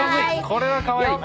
これはかわいい。